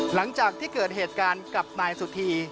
หลังจากที่เกิดเหตุการณ์กับนายสุธี